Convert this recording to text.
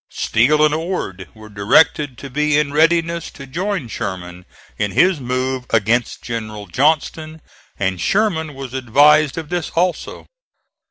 Steele and Ord were directed to be in readiness to join Sherman in his move against General Johnston, and Sherman was advised of this also.